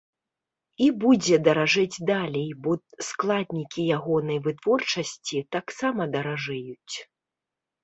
І будзе даражэць далей, бо складнікі ягонай вытворчасці таксама даражэюць.